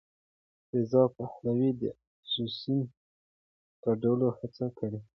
رضا پهلوي د اپوزېسیون ګډولو هڅې کړي.